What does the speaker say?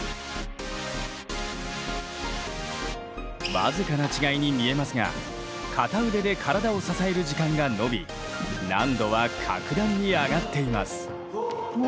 僅かな違いに見えますが片腕で体を支える時間が伸び難度は格段に上がっています。